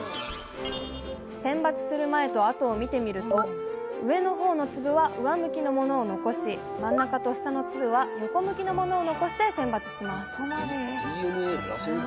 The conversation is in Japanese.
選抜する前と後を見てみると上の方の粒は上向きのものを残し真ん中と下の粒は横向きのものを残して選抜します